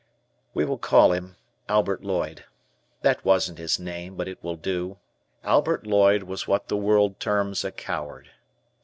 We will call him Albert Lloyd. That wasn't his name, but it will do; Albert Lloyd was what the world terms a coward.